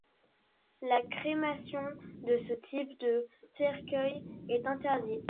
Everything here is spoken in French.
La crémation de ce type de cercueil est interdite.